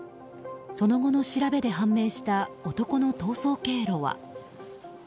その後の調べで判明した男の逃走経路は。